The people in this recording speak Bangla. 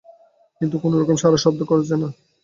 কিন্তু কোনো রকম সাড়াশব্দ করছে না।